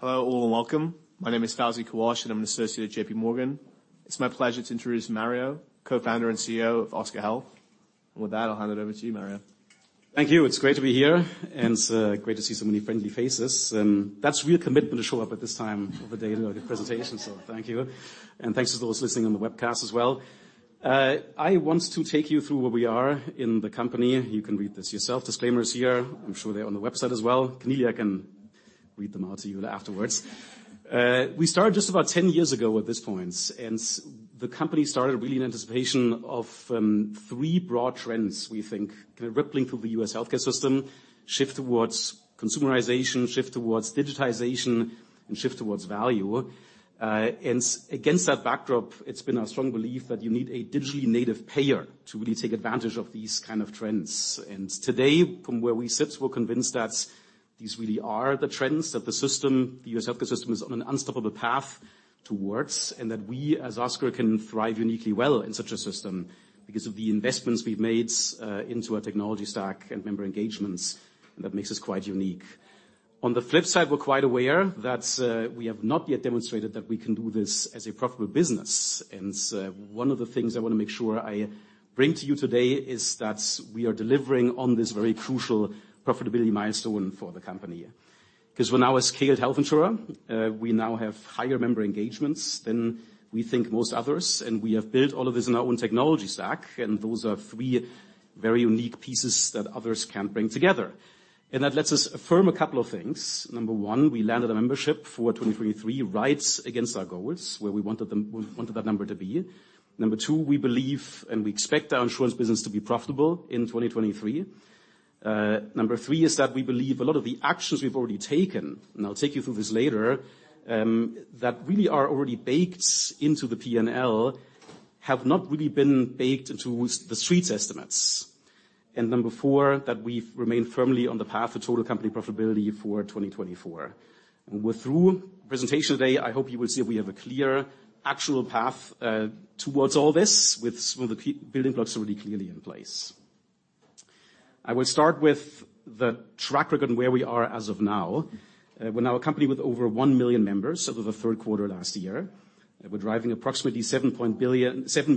Hello, all, and welcome. My name is Fawzi Kawash, and I'm an Associate at JPMorgan. It's my pleasure to introduce Mario, Co-founder and CEO of Oscar Health. With that, I'll hand it over to you, Mario. Thank you. It's great to be here, it's great to see so many friendly faces. That's real commitment to show up at this time of the day to do a presentation, thank you. Thanks to those listening on the webcast as well. I want to take you through where we are in the company. You can read this yourself. Disclaimer is here. I'm sure they're on the website as well. Cornelia can read them out to you afterwards. We started just about 10 years ago at this point, the company started really in anticipation of three broad trends we think rippling through the U.S. healthcare system. Shift towards consumerization, shift towards digitization, shift towards value. Against that backdrop, it's been our strong belief that you need a digitally native payer to really take advantage of these kind of trends. Today, from where we sit, we're convinced that these really are the trends, that the system, the U.S. healthcare system, is on an unstoppable path towards, and that we, as Oscar, can thrive uniquely well in such a system because of the investments we've made into our technology stack and member engagements that makes us quite unique. On the flip side, we're quite aware that we have not yet demonstrated that we can do this as a profitable business. One of the things I wanna make sure I bring to you today is that we are delivering on this very crucial profitability milestone for the company. 'Cause we're now a scaled health insurer. We now have higher member engagements than we think most others, and we have built all of this on our own technology stack, and those are three very unique pieces that others can't bring together. That lets us affirm a couple of things. Number one, we landed a membership for 2023 right against our goals, where we wanted them, we wanted that number to be. Number two, we believe, and we expect our insurance business to be profitable in 2023. Number three is that we believe a lot of the actions we've already taken, and I'll take you through this later, that really are already baked into the P&L, have not really been baked into the street's estimates. Number four, that we've remained firmly on the path to total company profitability for 2024. Through presentation today, I hope you will see we have a clear actual path towards all this with some of the building blocks already clearly in place. I will start with the track record and where we are as of now. We're now a company with over 1 million members over the third quarter last year. We're driving approximately $7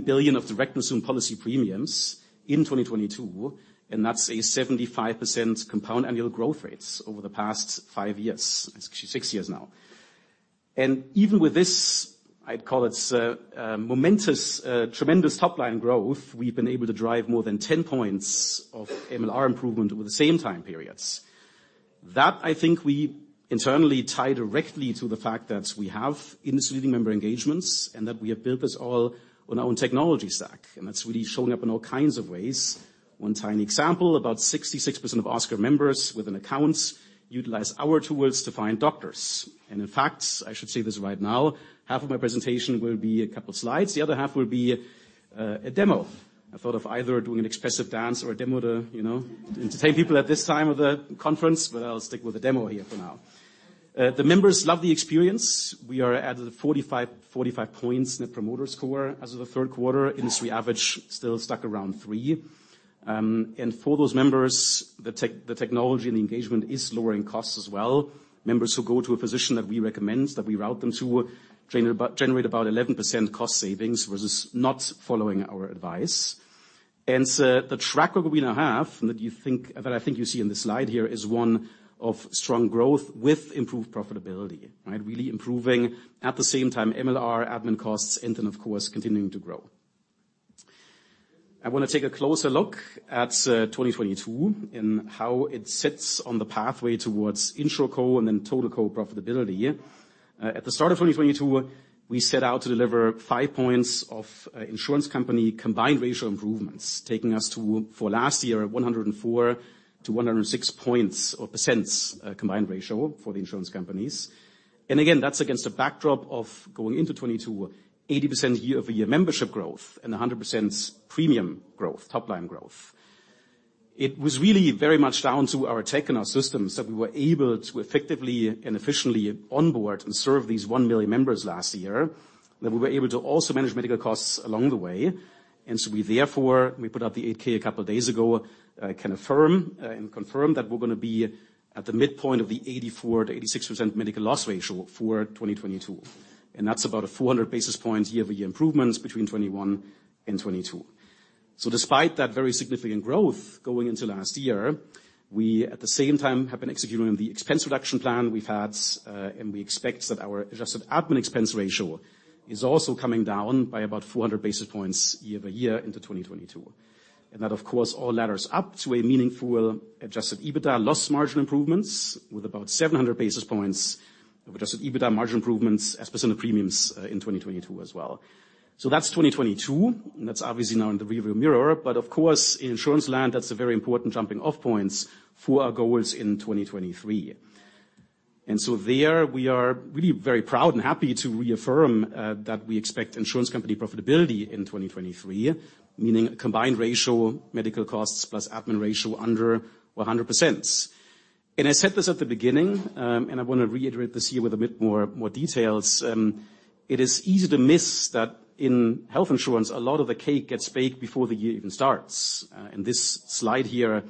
billion of Direct and Assumed Policy Premiums in 2022, and that's a 75% compound annual growth rates over the past five years. It's actually six years now. Even with this, I'd call it a momentous, tremendous top-line growth, we've been able to drive more than 10 points of MLR improvement over the same time periods. That, I think, we internally tie directly to the fact that we have industry-leading member engagements and that we have built this all on our own technology stack. That's really shown up in all kinds of ways. One tiny example, about 66% of Oscar members with an account utilize our tools to find doctors. In fact, I should say this right now, half of my presentation will be a couple slides. The other half will be a demo. I thought of either doing an expressive dance or a demo to, you know, entertain people at this time of the conference, but I'll stick with the demo here for now. The members love the experience. We are at a 45 point Net Promoter Score as of the third quarter. Industry average still stuck around three. For those members, the technology and the engagement is lowering costs as well. Members who go to a physician that we recommend, that we route them to, generate about 11% cost savings versus not following our advice. The track that we now have, that I think you see on the slide here, is one of strong growth with improved profitability, right? Really improving at the same time MLR admin costs and then, of course, continuing to grow. I wanna take a closer look at 2022 and how it sits on the pathway towards InsurCo and then Total Co profitability. At the start of 2022, we set out to deliver five points of insurance company combined ratio improvements, taking us to, for last year, 104%-106% combined ratio for the insurance companies. Again, that's against a backdrop of going into 2022, 80% year-over-year membership growth and 100% premium growth, top line growth. It was really very much down to our tech and our systems that we were able to effectively and efficiently onboard and serve these 1 million members last year, that we were able to also manage medical costs along the way. We therefore, we put out the 8-K a couple days ago, can affirm and confirm that we're gonna be at the midpoint of the 84%-86% medical loss ratio for 2022. That's about a 400 basis point year-over-year improvements between 2021 and 2022. Despite that very significant growth going into last year, we at the same time have been executing on the expense reduction plan we've had, and we expect that our Adjusted Admin Expense Ratio is also coming down by about 400 basis points year-over-year into 2022. That, of course, all ladders up to a meaningful adjusted EBITDA loss margin improvements with about 700 basis points of adjusted EBITDA margin improvements as % of premiums in 2022 as well. That's 2022, and that's obviously now in the rear view mirror. Of course, in insurance land, that's a very important jumping off points for our goals in 2023. There we are really very proud and happy to reaffirm that we expect insurance company profitability in 2023, meaning combined ratio medical costs plus admin ratio under 100%. I said this at the beginning, and I wanna reiterate this here with a bit more, more details. It is easy to miss that in health insurance, a lot of the cake gets baked before the year even starts. This slide here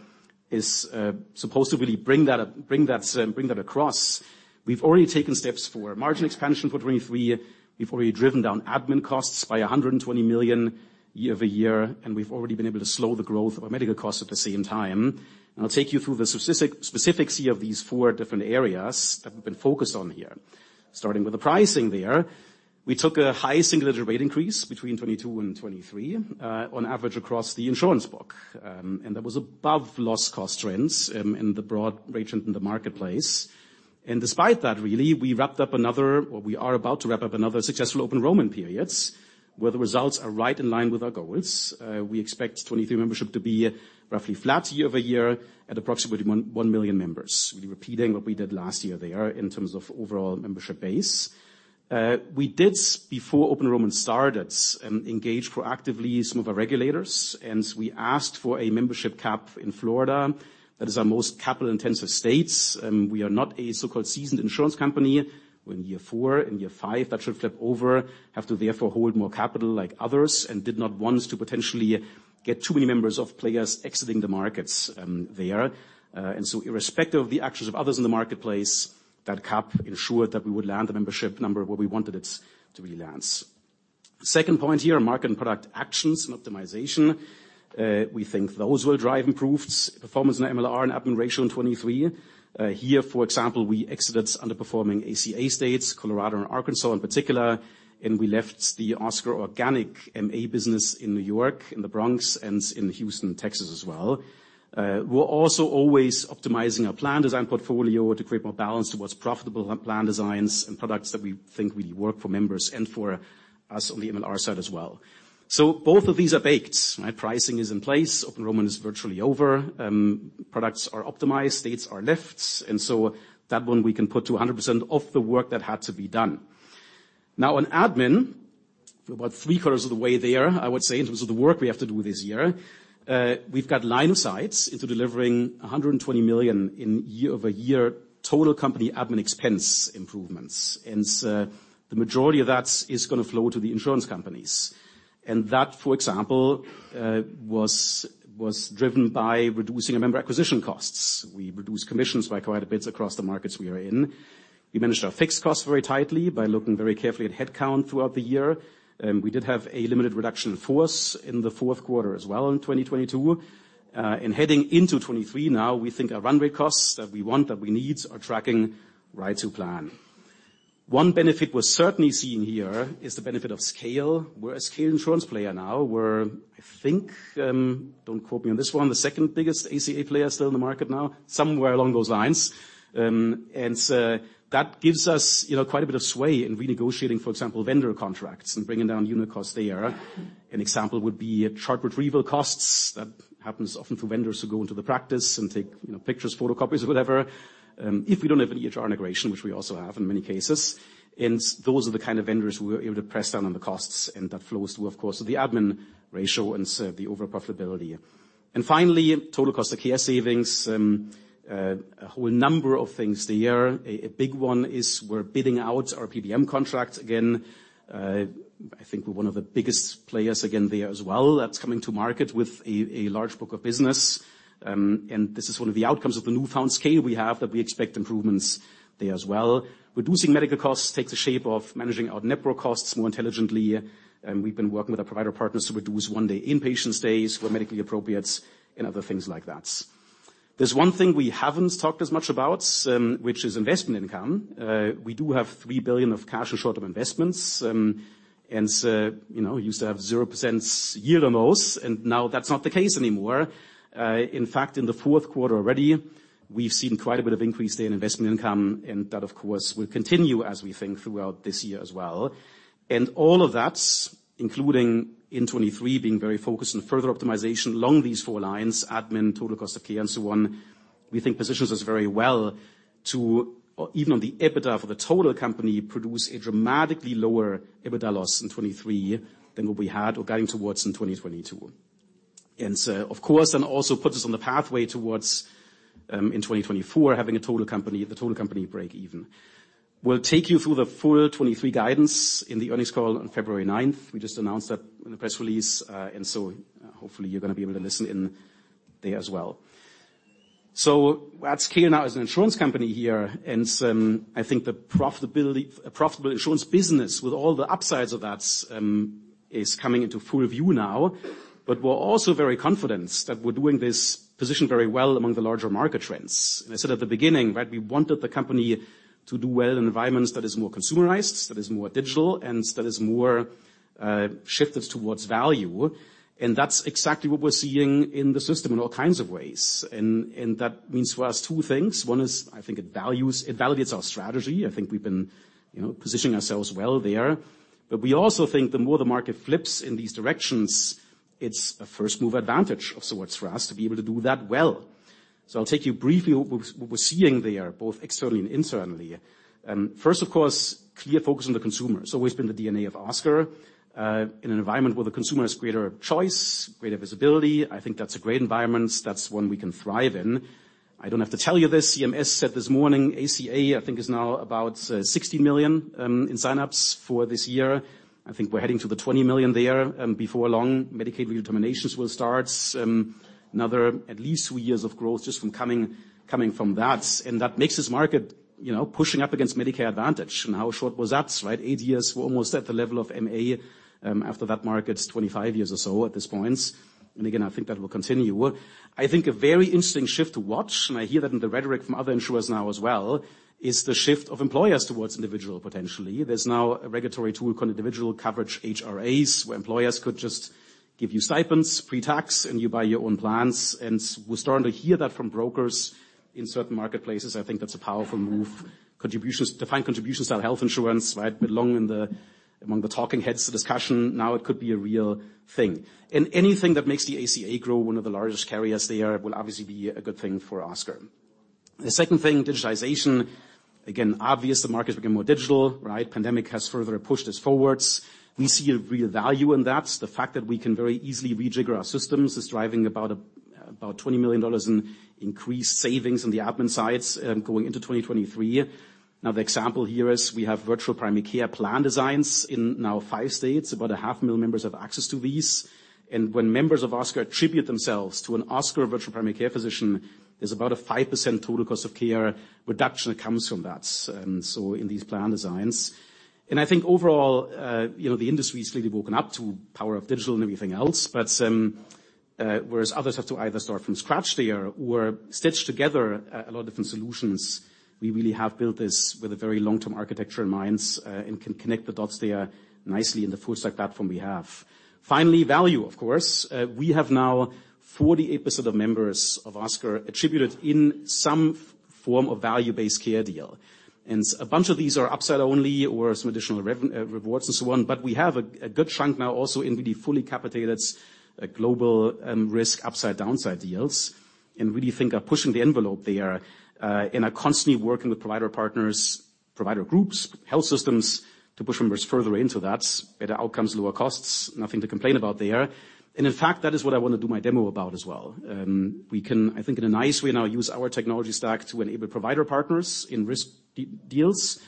is supposed to really bring that, bring that, bring that across. We've already taken steps for margin expansion for 2023. We've already driven down admin costs by $120 million year-over-year, and we've already been able to slow the growth of our medical costs at the same time. I'll take you through the specifics here of these four different areas that we've been focused on here. Starting with the pricing there, we took a high single-digit rate increase between 2022 and 2023, on average across the insurance book. That was above loss cost trends in the broad region in the marketplace. Despite that, really, we are about to wrap up another successful open enrollment periods, where the results are right in line with our goals. We expect 2023 membership to be roughly flat year-over-year at approximately 1 million members. Really repeating what we did last year there in terms of overall membership base. We did, before open enrollment started, engage proactively some of our regulators, and we asked for a membership cap in Florida. That is our most capital-intensive state. We are not a so-called seasoned insurance company. We're in year four. In year five, that should flip over, have to therefore hold more capital like others, and did not want to potentially get too many members of players exiting the markets there. Irrespective of the actions of others in the marketplace, that cap ensured that we would land a membership number where we wanted it to really land. Second point here, market and product actions and optimization. We think those will drive improved performance in MLR and admin ratio in 2023. Here, for example, we exited underperforming ACA states, Colorado and Arkansas in particular, and we left the Oscar organic MA business in New York, in the Bronx, and in Houston, Texas as well. We're also always optimizing our plan design portfolio to create more balance towards profitable plan designs and products that we think really work for members and for us on the MLR side as well. Both of these are baked, right? Pricing is in place. Open enrollment is virtually over. Products are optimized, states are left, that one we can put to 100% of the work that had to be done. On admin, we're about three-quarters of the way there, I would say, in terms of the work we have to do this year. We've got line of sights into delivering $120 million in year-over-year total company admin expense improvements. The majority of that is gonna flow to the insurance companies. That, for example, was driven by reducing our member acquisition costs. We reduced commissions by quite a bit across the markets we are in. We managed our fixed costs very tightly by looking very carefully at headcount throughout the year. We did have a limited reduction force in the fourth quarter as well in 2022. Heading into 2023 now, we think our runway costs that we want, that we need, are tracking right to plan. One benefit we're certainly seeing here is the benefit of scale. We're a scale insurance player now. We're, I think, don't quote me on this one, the second-biggest ACA player still in the market now, somewhere along those lines. That gives us, you know, quite a bit of sway in renegotiating, for example, vendor contracts and bringing down unit costs there. An example would be chart retrieval costs. That happens often through vendors who go into the practice and take, you know, pictures, photocopies or whatever, if we don't have an EHR integration, which we also have in many cases. Those are the kind of vendors we were able to press down on the costs, and that flows to, of course, the admin ratio and the overall profitability. Finally, total cost of care savings, a whole number of things there. A big one is we're bidding out our PBM contract again. I think we're one of the biggest players again there as well that's coming to market with a large book of business. This is one of the outcomes of the newfound scale we have, that we expect improvements there as well. Reducing medical costs takes the shape of managing our net prom costs more intelligently. We've been working with our provider partners to reduce one-day inpatient stays where medically appropriate and other things like that. There's one thing we haven't talked as much about, which is investment income. We do have $3 billion of cash and short-term investments, you know, used to have 0% year or most, now that's not the case anymore. In fact, in the fourth quarter already, we've seen quite a bit of increase there in investment income, that, of course, will continue as we think throughout this year as well. All of that, including in 2023 being very focused on further optimization along these four lines, admin, total cost of care, and so on, we think positions us very well to, even on the EBITDA for the total company, produce a dramatically lower EBITDA loss in 2023 than what we had or guiding towards in 2022. Of course, then also puts us on the pathway towards in 2024 having the total company break even. We'll take you through the full 2023 guidance in the earnings call on February ninth. We just announced that in the press release, hopefully you're gonna be able to listen in there as well. That's clear now as an insurance company here, and I think the profitability, a profitable insurance business with all the upsides of that, is coming into full view now. We're also very confident that we're doing this position very well among the larger market trends. I said at the beginning, right, we wanted the company to do well in an environment that is more consumerized, that is more digital, and that is more shifted towards value. That's exactly what we're seeing in the system in all kinds of ways. That means for us two things. One is, I think it values, it validates our strategy. I think we've been, you know, positioning ourselves well there. We also think the more the market flips in these directions, it's a first-move advantage of sorts for us to be able to do that well. I'll take you briefly what we're seeing there, both externally and internally. First, of course, clear focus on the consumer. It's always been the DNA of Oscar. In an environment where the consumer has greater choice, greater visibility, I think that's a great environment. That's one we can thrive in. I don't have to tell you this, CMS said this morning, ACA, I think, is now about $60 million in sign-ups for this year. I think we're heading to $20 million there before long. Medicaid redeterminations will start, another at least three years of growth just from coming from that. That makes this market, you know, pushing up against Medicare Advantage. How short was that, right? Eight years, we's almost at the level of MA, after that market's 25 years or so at this point. Again, I think that will continue. I think a very interesting shift to watch, and I hear that in the rhetoric from other insurers now as well, is the shift of employers towards individual, potentially. There's now a regulatory tool called Individual Coverage HRAs, where employers could just give you stipends pre-tax, and you buy your own plans. We're starting to hear that from brokers in certain marketplaces. I think that's a powerful move. Contributions, defined contribution-style health insurance, right, belong among the talking heads discussion. Now it could be a real thing. Anything that makes the ACA grow one of the largest carriers there will obviously be a good thing for Oscar. The second thing, digitization. Again, obvious the market's become more digital, right? Pandemic has further pushed us forwards. We see a real value in that. The fact that we can very easily rejigger our systems is driving about $20 million in increased savings on the admin sides, going into 2023. The example here is we have Virtual Primary Care plan designs in now five states. About a half mil members have access to these. When members of Oscar attribute themselves to an Oscar Virtual Primary Care physician, there's about a 5% total cost of care reduction that comes from that, so in these plan designs. I think overall, you know, the industry's really woken up to power of digital and everything else. Whereas others have to either start from scratch there or stitch together a lot of different solutions, we really have built this with a very long-term architecture in mind and can connect the dots there nicely in the full stack platform we have. Finally, value, of course. We have now 48% of members of Oscar attributed in some form of value-based care deal. A bunch of these are upside only or some additional rewards and so on, but we have a good chunk now also in really fully capitated, global, risk upside downside deals, and really think are pushing the envelope there. Are constantly working with provider partners, provider groups, health systems to push members further into that. Better outcomes, lower costs, nothing to complain about there. In fact, that is what I wanna do my demo about as well. We can, I think in a nice way now, use our technology stack to enable provider partners in risk de-deals,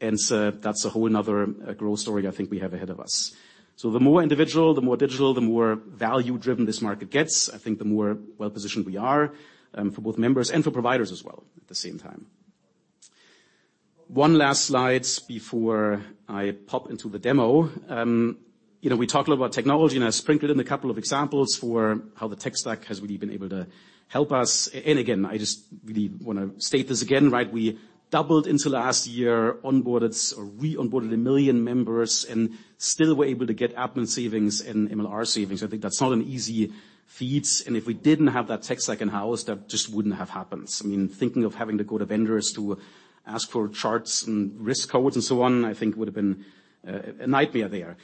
that's a whole another growth story I think we have ahead of us. The more individual, the more digital, the more value-driven this market gets, I think the more well-positioned we are, for both members and for providers as well at the same time. One last slide before I pop into the demo. You know, we talked a lot about technology, I sprinkled in a couple of examples for how the tech stack has really been able to help us. And again, I just really wanna state this again, right? We doubled into last year, onboarded or re-onboarded 1 million members and still were able to get Admin savings and MLR savings. I think that's not an easy feat. If we didn't have that tech stack in-house, that just wouldn't have happened. I mean, thinking of having to go to vendors to ask for charts and risk codes and so on, I think would've been a nightmare there.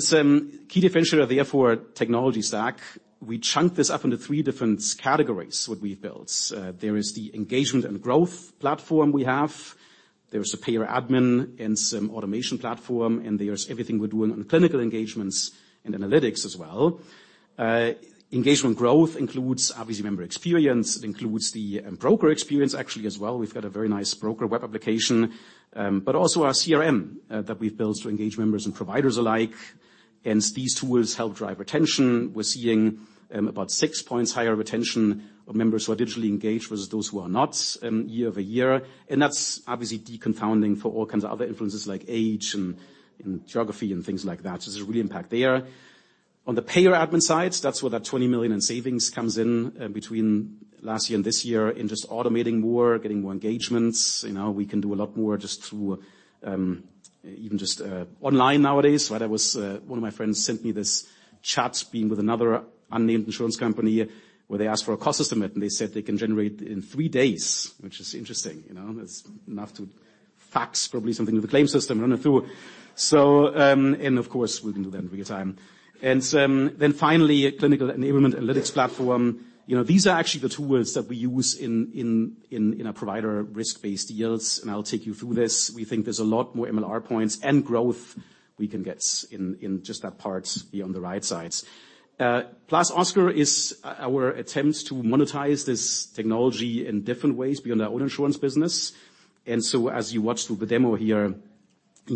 Some key differentiator, therefore, technology stack. We chunk this up into three different categories, what we've built. There is the engagement and growth platform we have. There is a payer Admin and some automation platform, and there's everything we're doing on clinical engagements and analytics as well. Engagement growth includes obviously member experience. It includes the broker experience actually as well. We've got a very nice broker web application. Also our CRM that we've built to engage members and providers alike. These tools help drive retention. We're seeing about six points higher retention of members who are digitally engaged versus those who are not year-over-year. That's obviously deconfounding for all kinds of other influences like age and geography and things like that. There's a real impact there. On the payer admin side, that's where that $20 million in savings comes in between last year and this year, in just automating more, getting more engagements. You know, we can do a lot more just through even just online nowadays, right? One of my friends sent me this chat stream with another unnamed insurance company where they asked for a cost estimate, and they said they can generate it in three days, which is interesting, you know? That's enough to fax probably something to the claim system, run it through. Of course, we can do that in real time. Finally, clinical enablement analytics platform. You know, these are actually the tools that we use in our provider risk-based deals, I'll take you through this. We think there's a lot more MLR points and growth we can get in just that part here on the right side. +Oscar is our attempt to monetize this technology in different ways beyond our own insurance business. As you watch through the demo here, you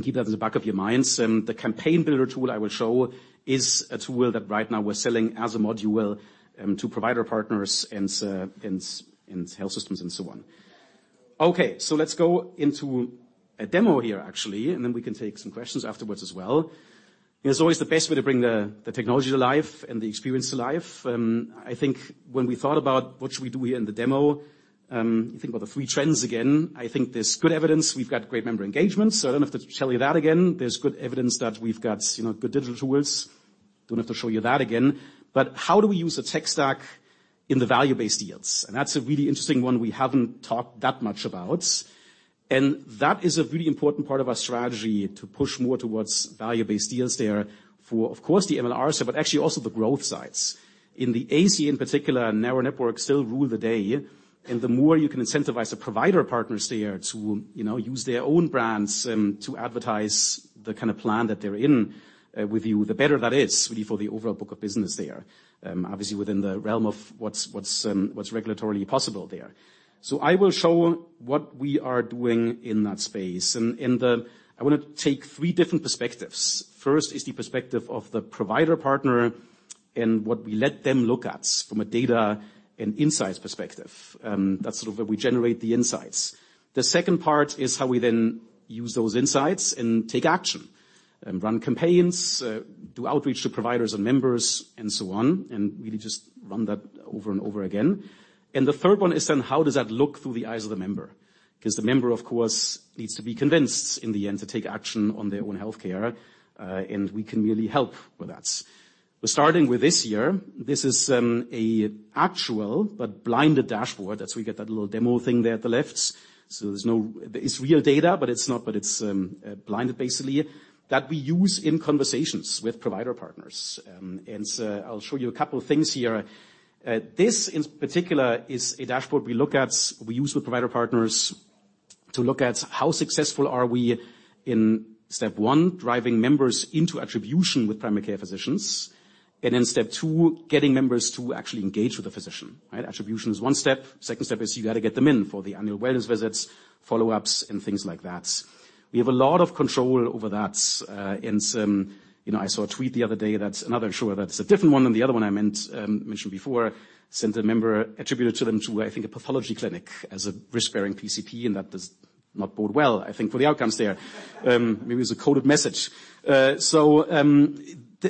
can keep that in the back of your minds. The Campaign Builder tool I will show is a tool that right now we're selling as a module to provider partners and health systems and so on. Okay, let's go into a demo here actually, and then we can take some questions afterwards as well. You know, it's always the best way to bring the technology to life and the experience to life. I think when we thought about what should we do here in the demo, you think about the three trends again. I think there's good evidence we've got great member engagement, so I don't have to tell you that again. There's good evidence that we've got, you know, good digital tools. Don't have to show you that again. How do we use the tech stack in the value-based deals? That's a really interesting one we haven't talked that much about. That is a really important part of our strategy, to push more towards value-based deals there for, of course, the MLR side, but actually also the growth sides. In the ACA in particular, narrow networks still rule the day, and the more you can incentivize the provider partners there to, you know, use their own brands, to advertise the kind of plan that they're in, with you, the better that is really for the overall book of business there. Obviously within the realm of what's regulatorily possible there. I will show what we are doing in that space. I wanna take three different perspectives. First is the perspective of the provider partner. What we let them look at from a data and insights perspective, that's sort of where we generate the insights. The second part is how we then use those insights and take action, and run campaigns, do outreach to providers and members, and so on, and really just run that over and over again. The third one is then how does that look through the eyes of the member? 'Cause the member, of course, needs to be convinced in the end to take action on their own healthcare, and we can really help with that. We're starting with this year. This is a actual but blinded dashboard. That's we get that little demo thing there at the left. There's no-- It's real data, but it's not-- but it's blinded basically, that we use in conversations with provider partners. I'll show you a couple of things here. This in particular is a dashboard we look at, we use with provider partners to look at how successful are we in step one, driving members into attribution with primary care physicians, and then step two, getting members to actually engage with the physician, right? Attribution is one step. Second step is you gotta get them in for the annual wellness visits, follow-ups, and things like that. We have a lot of control over that. Some, you know, I saw a tweet the other day that's another insurer. That's a different one than the other one I mentioned before. Sent a member, attributed to them to, I think, a pathology clinic as a risk-bearing PCP. That does not bode well, I think, for the outcomes there. Maybe it's a coded message.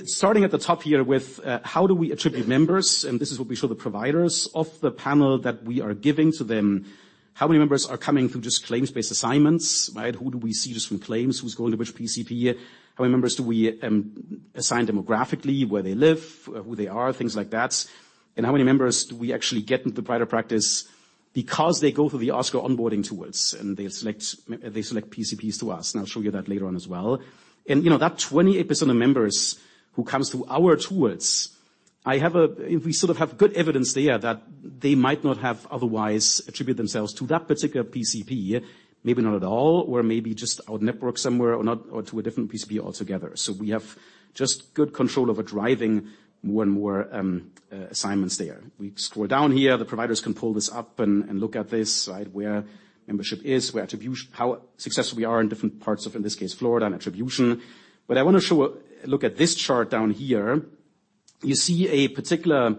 Starting at the top here with how do we attribute members. This is what we show the providers of the panel that we are giving to them. How many members are coming through just claims-based assignments, right? Who do we see just from claims? Who's going to which PCP? How many members do we assign demographically, where they live, who they are, things like that. How many members do we actually get into provider practice because they go through the Oscar onboarding tools, and they select PCPs through us. I'll show you that later on as well. you know, that 28% of members who comes through our tools, we sort of have good evidence there that they might not have otherwise attributed themselves to that particular PCP, maybe not at all, or maybe just our network somewhere or to a different PCP altogether. We have just good control over driving more and more assignments there. We scroll down here, the providers can pull this up and look at this, right, where membership is, where how successful we are in different parts of, in this case, Florida on attribution. Look at this chart down here. You see a particular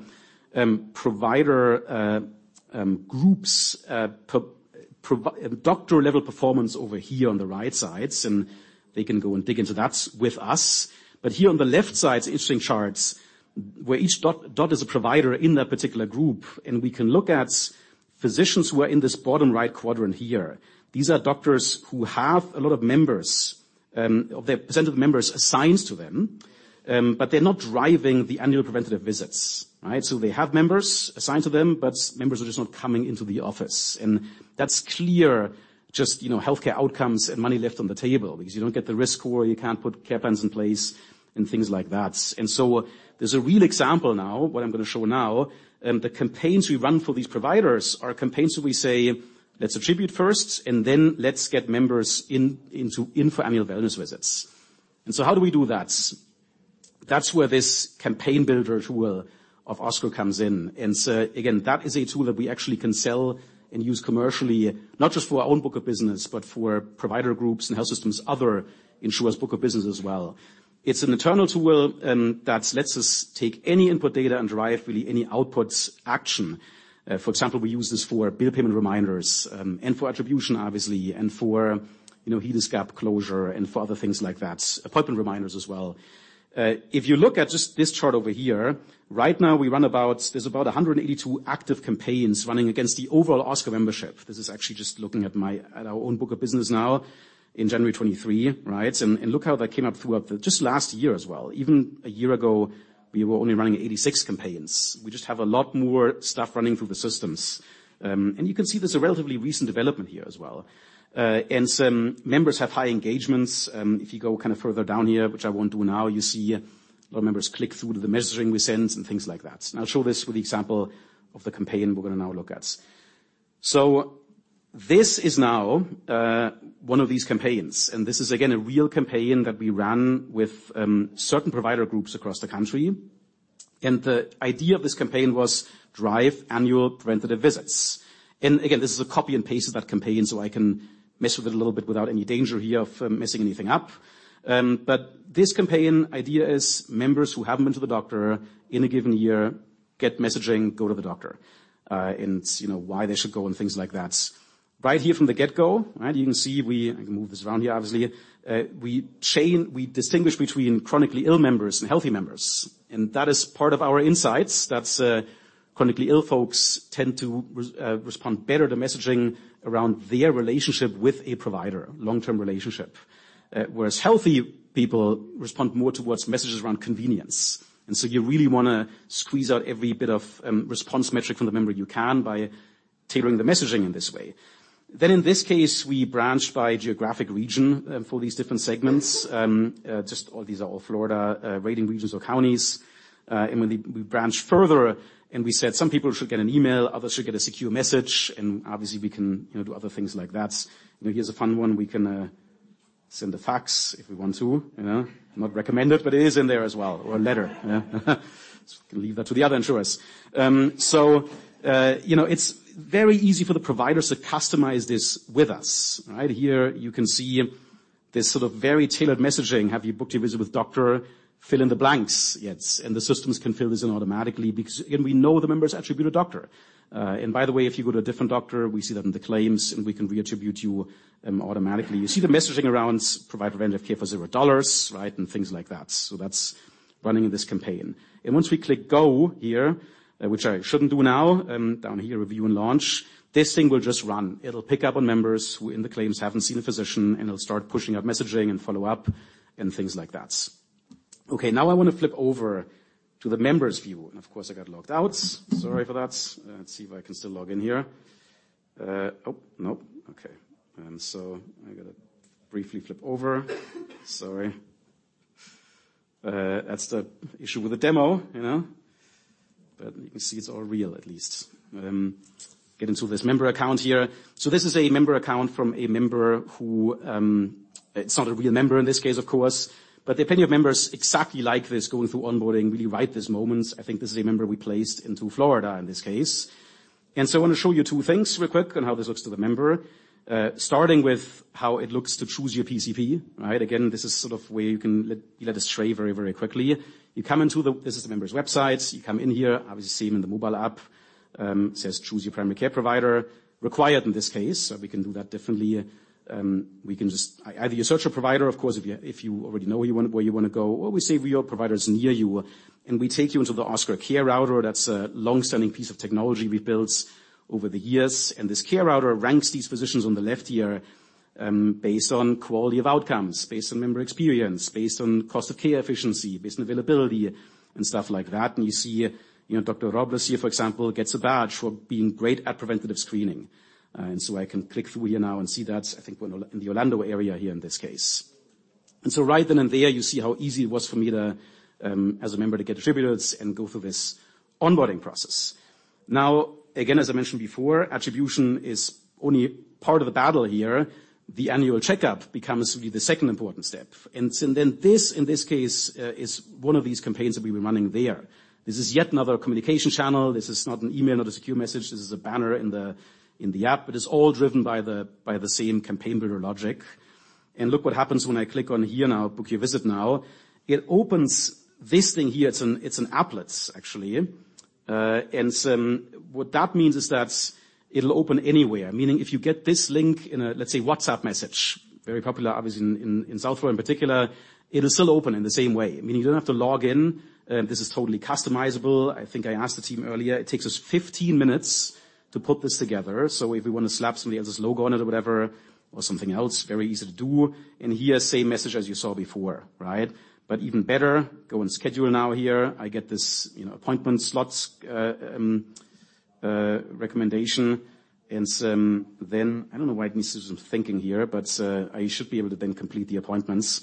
provider groups doctor-level performance over here on the right side, and they can go and dig into that with us. Here on the left side is interesting charts where each dot is a provider in that particular group, and we can look at physicians who are in this bottom right quadrant here. These are doctors who have a lot of members, their percentage of members assigned to them, but they're not driving the annual preventative visits, right? They have members assigned to them, but members are just not coming into the office. That's clear just, you know, healthcare outcomes and money left on the table because you don't get the risk score, you can't put care plans in place and things like that. There's a real example now, what I'm gonna show now, the campaigns we run for these providers are campaigns where we say, "Let's attribute first, and then let's get members into in for annual wellness visits." How do we do that? That's where this Campaign Builder tool of Oscar comes in. Again, that is a tool that we actually can sell and use commercially, not just for our own book of business, but for provider groups and health systems, other insurers' book of business as well. It's an internal tool that lets us take any input data and derive really any outputs action. For example, we use this for bill payment reminders, and for attribution, obviously, and for, you know, HEDIS gap closure and for other things like that. Appointment reminders as well. If you look at just this chart over here, right now there's about 182 active campaigns running against the overall Oscar membership. This is actually just looking at our own book of business now in January 23, right? Look how that came up throughout the just last year as well. Even a year ago, we were only running 86 campaigns. We just have a lot more stuff running through the systems. You can see there's a relatively recent development here as well. Some members have high engagements. If you go kind of further down here, which I won't do now, you see a lot of members click through to the messaging we send and things like that. I'll show this with the example of the campaign we're gonna now look at. This is now one of these campaigns, and this is again a real campaign that we ran with certain provider groups across the country. The idea of this campaign was drive annual preventative visits. Again, this is a copy and paste of that campaign, so I can mess with it a little bit without any danger here of messing anything up. This campaign idea is members who haven't been to the doctor in one given year, get messaging, go to the doctor, and you know why they should go, and things like that. Right here from the get-go, right, you can see I can move this around here, obviously. We distinguish between chronically ill members and healthy members. That is part of our insights. That's chronically ill folks tend to respond better to messaging around their relationship with a provider, long-term relationship. Whereas healthy people respond more towards messages around convenience. You really wanna squeeze out every bit of response metric from the member you can by tailoring the messaging in this way. In this case, we branch by geographic region for these different segments. Just all these are all Florida rating regions or counties. When we branch further, we said, "Some people should get an email, others should get a secure message," and obviously, we can, you know, do other things like that. You know, here's a fun one. We can send a fax if we want to, you know. Not recommended, it is in there as well, or a letter. Just gonna leave that to the other insurers. You know, it's very easy for the providers to customize this with us, right? Here you can see. This sort of very tailored messaging. Have you booked your visit with doctor? Fill in the blanks yet, and the systems can fill this in automatically because, again, we know the member's attributed doctor. And by the way, if you go to a different doctor, we see that in the claims, and we can reattribute you automatically. You see the messaging around provider of care for $0, right? Things like that. That's running this campaign. Once we click go here, which I shouldn't do now, down here, review and launch, this thing will just run. It'll pick up on members who in the claims haven't seen a physician, and it'll start pushing out messaging and follow up and things like that. Now I wanna flip over to the members view. Of course, I got logged out. Sorry for that. Let's see if I can still log in here. Oh, nope. I gotta briefly flip over. Sorry. That's the issue with the demo, you know, but you can see it's all real, at least. Get into this member account here. This is a member account from a member who... It's not a real member in this case, of course, but depending on members exactly like this going through onboarding really right this moment, I think this is a member we placed into Florida in this case. I wanna show you two things real quick on how this looks to the member, starting with how it looks to choose your PCP. Right? Again, this is sort of where you can let us stray very, very quickly. You come into. This is the member's website. You come in here, obviously same in the mobile app. It says, "Choose your primary care provider." Required in this case, so we can do that differently. We can either you search for provider, of course, if you already know where you wanna go, or we say we have providers near you, and we take you into the Oscar Care Router. That's a long-standing piece of technology we've built over the years. This Care Router ranks these physicians on the left here, based on quality of outcomes, based on member experience, based on cost of care efficiency, based on availability and stuff like that. You see, you know, Dr. Robles here, for example, gets a badge for being great at preventative screening. I can click through here now and see that, I think we're in the Orlando area here in this case. Right then and there, you see how easy it was for me to, as a member, to get attributes and go through this onboarding process. Now, again, as I mentioned before, attribution is only part of the battle here. The annual checkup becomes to be the second important step. This, in this case, is one of these campaigns that we've been running there. This is yet another communication channel. This is not an email, not a secure message. This is a banner in the app. It is all driven by the same Campaign Builder logic. Look what happens when I click on here now, Book your visit now. It opens this thing here. It's an applet actually. What that means is that it'll open anywhere, meaning if you get this link in a, let's say, WhatsApp message, very popular, obviously in Southwell in particular, it'll still open in the same way, meaning you don't have to log in. This is totally customizable. I think I asked the team earlier. It takes us 15 minutes to put this together. If we wanna slap somebody else's logo on it or whatever or something else, very easy to do. Here, same message as you saw before, right? Even better, go and schedule now here. I get this, you know, appointment slots recommendation. Then I don't know why it needs to do some thinking here, but I should be able to then complete the appointments.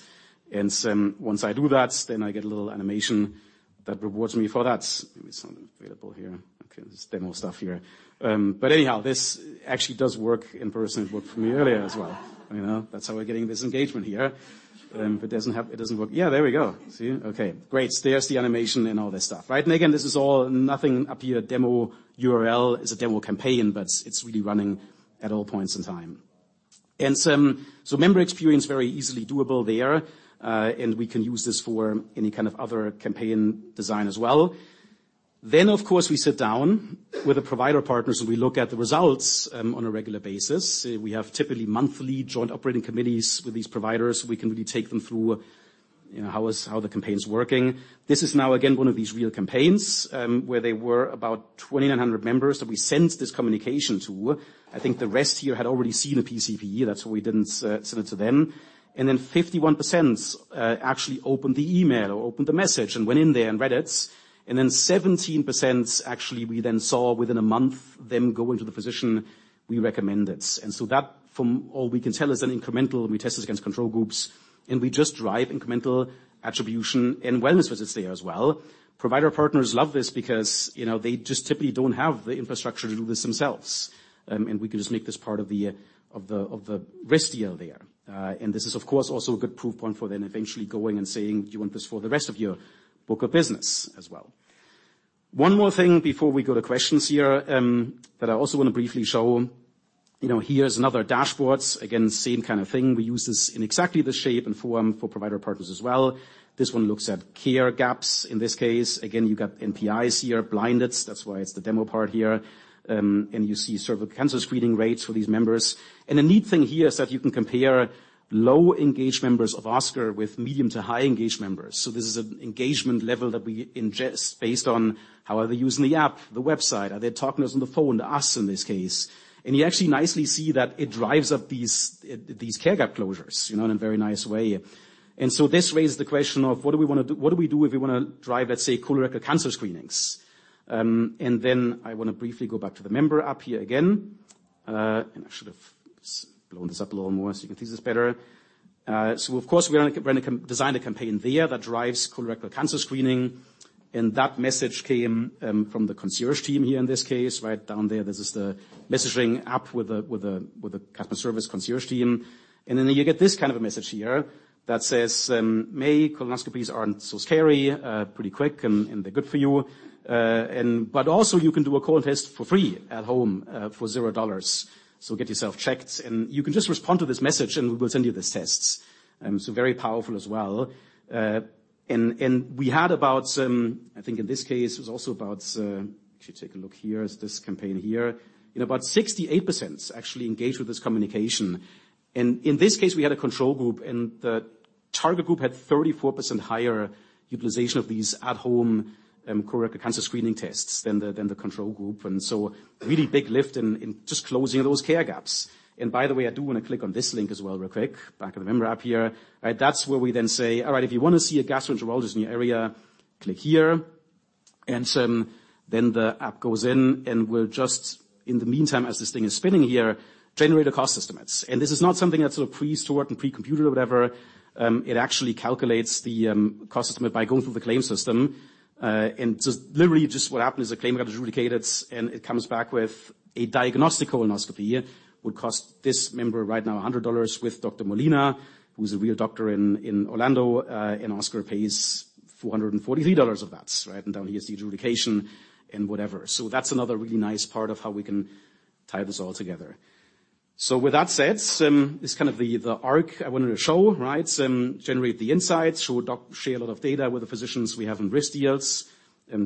Once I do that, then I get a little animation that rewards me for that. Maybe it's not available here. Okay, this demo stuff here. Anyhow, this actually does work in person. It worked for me earlier as well. You know, that's how we're getting this engagement here. It doesn't work. Yeah, there we go. See? Okay, great. There's the animation and all this stuff, right? Again, this is all nothing up here. Demo URL. It's a demo campaign, but it's really running at all points in time. Member experience, very easily doable there, and we can use this for any kind of other campaign design as well. Of course, we sit down with the provider partners, and we look at the results on a regular basis. We have typically monthly joint operating committees with these providers. We can really take them through, you know, how the campaign's working. This is now again, one of these real campaigns, where there were about 2,900 members that we sent this communication to. I think the rest here had already seen a PCP. That's why we didn't send it to them. Fifty-one percent actually opened the email or opened the message and went in there and read it. Seventeen percent, actually, we then saw within a month them go into the physician we recommended. That from all we can tell is an incremental, we test this against control groups, and we just drive incremental attribution and wellness visits there as well. Provider partners love this because, you know, they just typically don't have the infrastructure to do this themselves. We can just make this part of the, of the, of the risk deal there. This is of course, also a good proof point for then eventually going and saying, "Do you want this for the rest of your book of business as well?" One more thing before we go to questions here, that I also wanna briefly show. You know, here's another dashboards. Again, same kind of thing. We use this in exactly the shape and form for provider partners as well. This one looks at care gaps. In this case, again, you got NPIs here blinded. That's why it's the demo part here. You see cervical cancer screening rates for these members. The neat thing here is that you can compare low-engaged members of Oscar with medium to high-engaged members. This is an engagement level that we ingest based on how are they using the app, the website? Are they talking to us on the phone? To us in this case. You actually nicely see that it drives up these care gap closures, you know, in a very nice way. This raises the question of what do we do if we wanna drive, let's say, colorectal cancer screenings? I wanna briefly go back to the member up here again. I should have blown this up a little more so you can see this better. Of course, we designed a campaign there that drives colorectal cancer screening, and that message came from the concierge team here in this case. Right down there, this is the messaging app with a customer service concierge team. You get this kind of a message here that says, "May colonoscopies aren't so scary, pretty quick, and they're good for you. You can do a colon test for free at home for $0. Get yourself checked." You can just respond to this message, we will send you these tests. Very powerful as well. I think in this case it was also about, if you take a look here is this campaign here. You know, about 68% actually engaged with this communication. In this case, we had a control group, and the target group had 34% higher utilization of these at-home colorectal cancer screening tests than the control group. So really big lift in just closing those care gaps. By the way, I do wanna click on this link as well real quick, back in the member app here, right? That's where we then say, "All right. If you wanna see a gastroenterologist in your area, click here." The app goes in, and we'll just, in the meantime, as this thing is spinning here, generate a cost estimate. This is not something that's sort of pre-stored and pre-computed or whatever. It actually calculates the cost estimate by going through the claim system. Just literally just what happened is a claim got adjudicated, it comes back with a diagnostic colonoscopy would cost this member right now $100 with Dr. Molina, who's a real doctor in Orlando, Oscar pays $443 of that, right? Down here is the adjudication and whatever. That's another really nice part of how we can tie this all together. With that said, this is kind of the arc I wanted to show, right? Generate the insights, share a lot of data with the physicians we have in risk deals,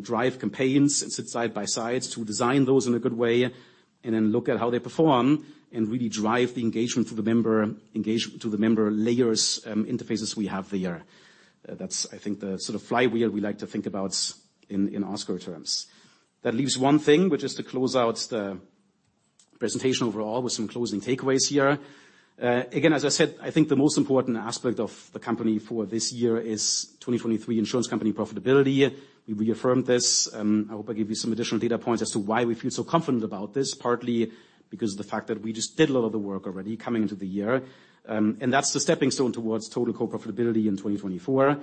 drive campaigns, and sit side by side to design those in a good way, and then look at how they perform and really drive the engagement through the member layers, interfaces we have there. That's, I think the sort of flywheel we like to think about in Oscar terms. That leaves one thing, which is to close out the presentation overall with some closing takeaways here. Again, as I said, I think the most important aspect of the company for this year is 2023 insurance company profitability. We reaffirmed this. I hope I give you some additional data points as to why we feel so confident about this, partly because of the fact that we just did a lot of the work already coming into the year. That's the stepping stone towards Total Co profitability in 2024.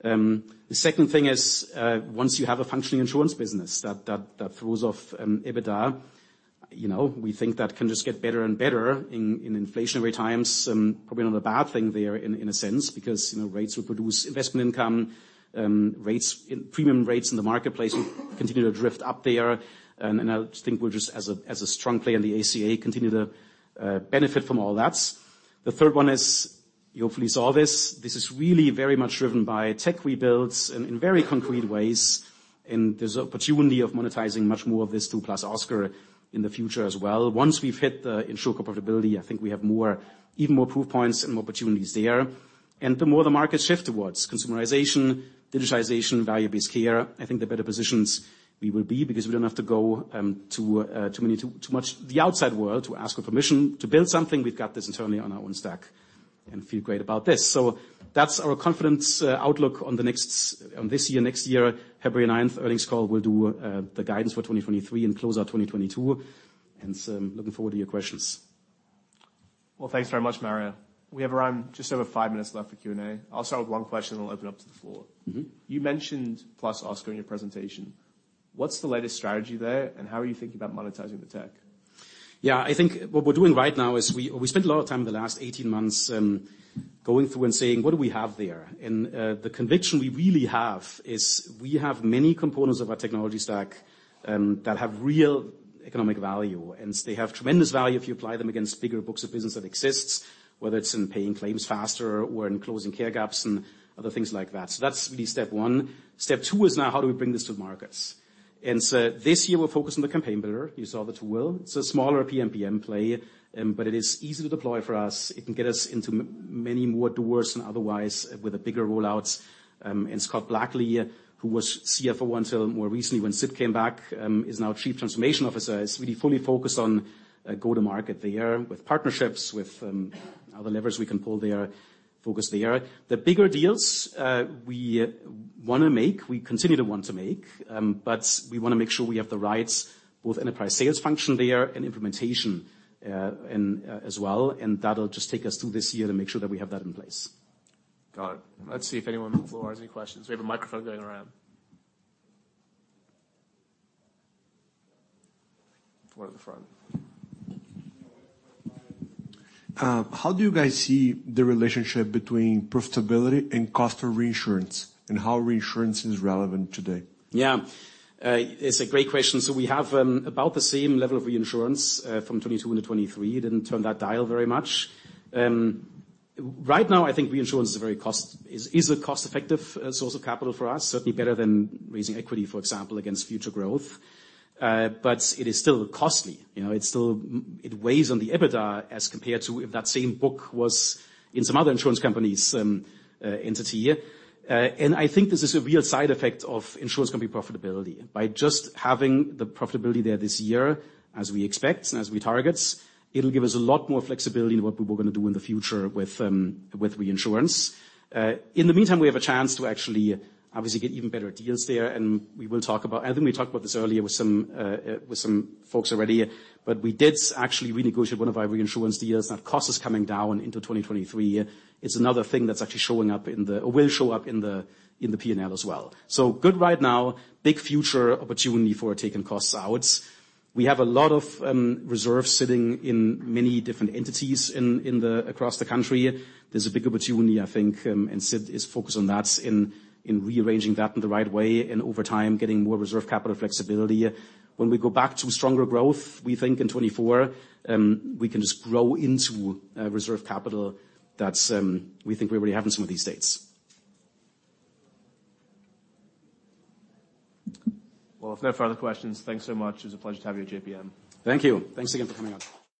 The second thing is, once you have a functioning insurance business that throws off EBITDA, you know, we think that can just get better and better in inflationary times. Probably not a bad thing there in a sense, because, you know, rates will produce investment income, premium rates in the marketplace will continue to drift up there. I think we'll just as a, as a strong player in the ACA, continue to benefit from all that. The third one is, you hopefully saw this. This is really very much driven by tech rebuilds in very concrete ways. There's opportunity of monetizing much more of this tool +Oscar in the future as well. Once we've hit the insurer profitability, I think we have even more proof points and opportunities there. The more the markets shift towards consumerization, digitization, value-based care, I think the better positions we will be because we don't have to go to too much the outside world to ask for permission to build something. We've got this internally on our own stack and feel great about this. That's our confidence outlook on the next... on this year, next year, February ninth, earnings call, we'll do the guidance for 2023 and close out 2022. Looking forward to your questions. Well, thanks very much, Mario. We have around just over five minutes left for Q&A. I'll start with one question, then we'll open up to the floor. Mm-hmm. You mentioned +Oscar in your presentation. What's the latest strategy there, and how are you thinking about monetizing the tech? Yeah. I think what we're doing right now is we spent a lot of time in the last 18 months going through and saying, "What do we have there?" The conviction we really have is we have many components of our technology stack that have real economic value. They have tremendous value if you apply them against bigger books of business that exists, whether it's in paying claims faster or in closing care gaps and other things like that. That's really step one. Step two is now how do we bring this to markets? This year we're focused on the Campaign Builder. You saw the tool. It's a smaller PMPM play, but it is easy to deploy for us. It can get us into many more doors than otherwise with the bigger rollouts. Scott Blackley, who was CFO until more recently when Sid came back, is now Chief Transformation Officer, is really fully focused on go to market there with partnerships, with other levers we can pull there, focus there. The bigger deals we wanna make, we continue to want to make, but we wanna make sure we have the right both enterprise sales function there and implementation as well. That'll just take us through this year to make sure that we have that in place. Got it. Let's see if anyone on the floor has any questions. We have a microphone going around. One at the front. How do you guys see the relationship between profitability and cost of reinsurance and how reinsurance is relevant today? Yeah. It's a great question. We have about the same level of reinsurance from 22 into 23. It didn't turn that dial very much. Right now, I think reinsurance is a cost-effective source of capital for us, certainly better than raising equity, for example, against future growth. It is still costly. You know, it still weighs on the EBITDA as compared to if that same book was in some other insurance company's entity. I think this is a real side effect of insurance company profitability. By just having the profitability there this year, as we expect and as we target, it'll give us a lot more flexibility in what we were gonna do in the future with reinsurance. In the meantime, we have a chance to actually, obviously, get even better deals there. I think we talked about this earlier with some folks already, but we did actually renegotiate one of our reinsurance deals, and that cost is coming down into 2023. It's another thing that's actually showing up in the, or will show up in the P&L as well. Good right now, big future opportunity for taking costs out. We have a lot of reserves sitting in many different entities in, across the country. There's a big opportunity, I think, and Sid is focused on that in rearranging that in the right way and over time, getting more reserve capital flexibility. When we go back to stronger growth, we think in 2024, we can just grow into reserve capital that's, we think we already have in some of these states. Well, if no further questions, thanks so much. It was a pleasure to have you at JPM. Thank you. Thanks again for coming out.